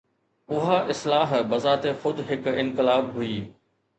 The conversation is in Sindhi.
اها اصلاح بذات خود هڪ انقلاب هئي.